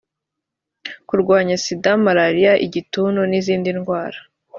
kurwanya sida malariya igituntu n izindi ndwara